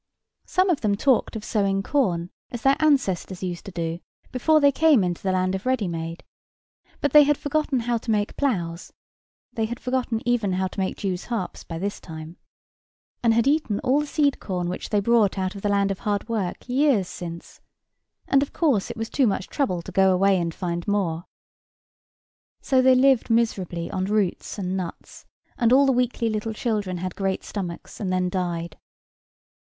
Some of them talked of sowing corn, as their ancestors used to do, before they came into the land of Readymade; but they had forgotten how to make ploughs (they had forgotten even how to make Jews' harps by this time), and had eaten all the seed corn which they brought out of the land of Hardwork years since; and of course it was too much trouble to go away and find more. So they lived miserably on roots and nuts, and all the weakly little children had great stomachs, and then died.